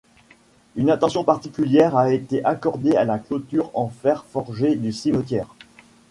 Une attention particulière a été accordée à la clôture en fer forgé du cimetière.